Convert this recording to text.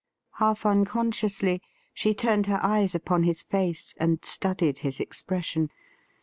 Half unconsciously she tiurned Tier eyes upon his face and studied his expression.'